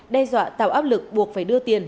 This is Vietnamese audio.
đe dọa tạo áp lực buộc phải đưa tiền